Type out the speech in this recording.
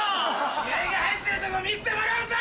気合が入ってるとこ見せてもらうぞ！